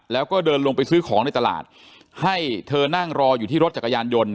แล้วก็เดินลงไปซื้อของในตลาดให้เธอนั่งรออยู่ที่รถจักรยานยนต์